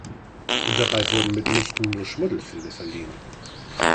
Dabei wurden mitnichten nur Schmuddelfilme verliehen.